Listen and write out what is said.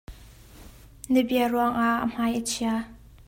Na bia ruangah a hmai a chai.